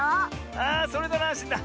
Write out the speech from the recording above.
ああそれならあんしんだ。